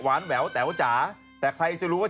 แหววแต๋วจ๋าแต่ใครจะรู้ว่า